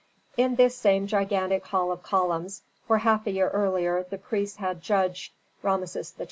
In this same gigantic hall of columns, where half a year earlier the priests had judged Rameses XII.